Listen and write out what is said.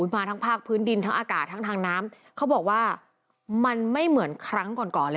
มาทั้งภาคพื้นดินทั้งอากาศทั้งทางน้ำเขาบอกว่ามันไม่เหมือนครั้งก่อนก่อนเลย